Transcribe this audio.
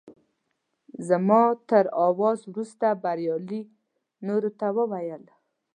زما تر اواز وروسته بریالي نورو ته وویل.